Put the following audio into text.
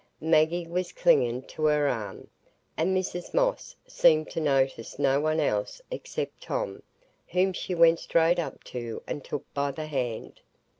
Maggie was clinging to her arm; and Mrs Moss seemed to notice no one else except Tom, whom she went straight up to and took by the hand.